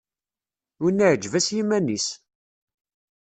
Winna iεǧeb-as yiman-is!